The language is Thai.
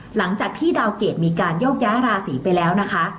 หลังจากที่ดาวเกรดมีการโยกย้ายราศีไปแล้วนะคะ